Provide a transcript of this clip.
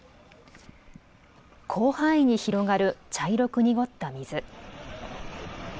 広範囲に広がる茶色く濁った水。